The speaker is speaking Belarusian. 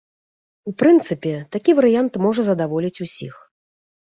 У прынцыпе, такі варыянт можа задаволіць усіх.